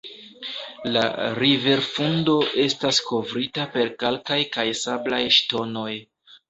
La riverfundo estas kovrita per kalkaj kaj sablaj ŝtonoj.